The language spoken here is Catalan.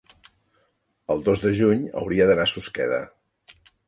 el dos de juny hauria d'anar a Susqueda.